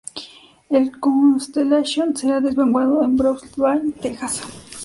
El Constellation será desguazado en Brownsville, Texas.